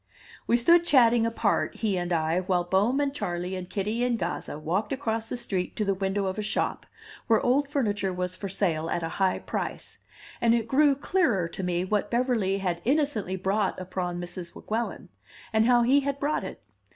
We stood chatting apart, he and I, while Bohm and Charley and Kitty and Gazza walked across the street to the window of a shop, where old furniture was for sale at a high price; and it grew clearer to me what Beverly had innocently brought upon Mrs. Weguelin, and how he had brought it.